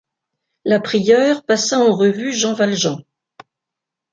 La prieure passa en revue Jean Valjean.